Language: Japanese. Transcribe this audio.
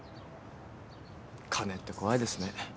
金って怖いですね。